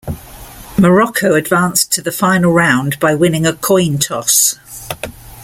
Morocco advanced to the Final Round, by winning a coin toss.